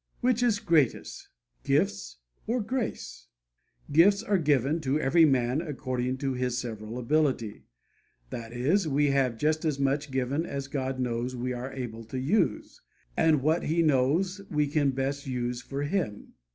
Which is greatest, gifts or grace? Gifts are given 'to every man according to his several ability.' That is, we have just as much given as God knows we are able to use, and what He knows we can best use for Him.